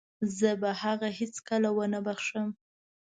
زه به هغه هيڅکله ونه وبښم.